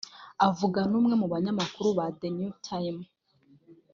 Avugana n’umwe mu banyamakuru ba The New Times